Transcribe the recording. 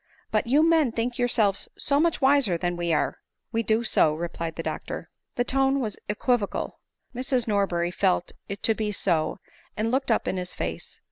" But you men think yourselves so much wiser than we are !"" We do so," replied the doctor. The tone was equivocal — Mrs Norberry felt it to be so, and looked up in his face.